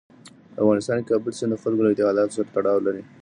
په افغانستان کې کابل سیند د خلکو له اعتقاداتو سره تړاو لري.